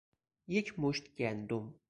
یک مشت گندم